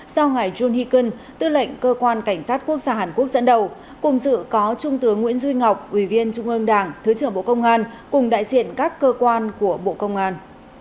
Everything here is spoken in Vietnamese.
do ngài jun heken tư lệnh cơ quan cảnh sát quốc gia hàn quốc dẫn đầu cùng dự có trung tướng nguyễn duy ngọc ủy viên trung ương đảng thứ trưởng bộ công an cùng đại diện các cơ quan của bộ công an